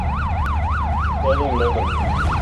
Todo un logro.